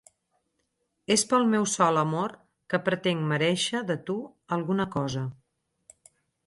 És pel meu sol amor que pretenc merèixer de tu alguna cosa.